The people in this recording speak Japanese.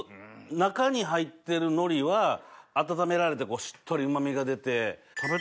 中に入ってる海苔は温められてしっとりうま味が出て。